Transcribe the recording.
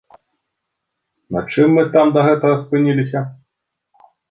На чым мы там да гэтага спыніліся?